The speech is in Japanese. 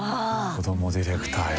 こどもディレクターや。